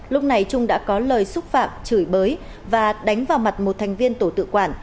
lúc này trung đã có lời xúc phạm chửi bới và đánh vào mặt một thành viên tổ tự quản